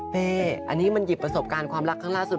เป๊อันนี้มันหยิบประสบการณ์ความรักของเราสุด